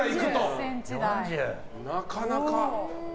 なかなか。